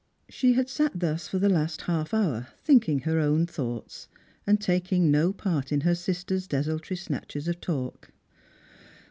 She had sat thus for the last half hour thinking her own thoughts, and taking no part in her sisters' desultory snatches of talk.